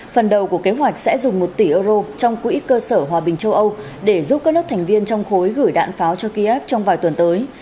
phần đầu của kế hoạch sẽ dùng một tỷ euro trong quỹ cơ sở hòa bình châu âu để giúp các nước thành viên trong khối gửi đạn pháo cho kiev trong vài tuần tới